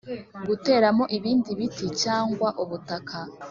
Guteramo ibindi biti cyangwa ubutaka